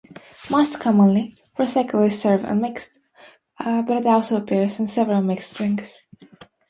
Most commonly Prosecco is served unmixed, but it also appears in several mixed drinks.